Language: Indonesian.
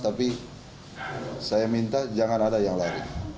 tapi saya minta jangan ada yang lari